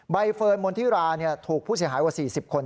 ใบเฟิร์นมณฑิราถูกผู้เสียหายกว่า๔๐คน